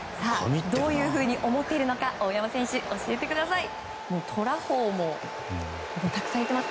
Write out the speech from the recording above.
どういうふうに思っているのか大山選手教えてください。